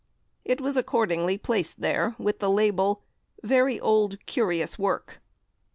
It was accordingly placed there with this label, 'Very old curious work.'